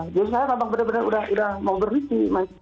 jadi saya memang benar benar udah mau berhenti